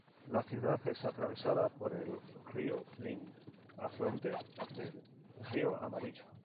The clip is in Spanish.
La ciudad es atravesada por el río Lin, afluente del río Amarillo.